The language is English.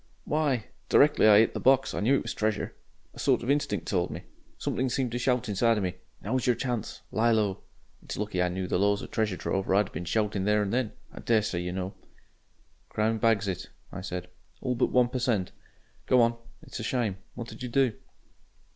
"Why! Directly I 'it the box I knew it was treasure. A sort of instinct told me. Something seemed to shout inside of me 'Now's your chance lie low.' It's lucky I knew the laws of treasure trove or I'd 'ave been shoutin' there and then. I daresay you know " "Crown bags it," I said, "all but one per cent. Go on. It's a shame. What did you do?"